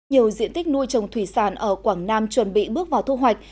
nhiều diện tích nuôi trồng thủy sản ở quảng nam chuẩn bị bước vào thu hoạch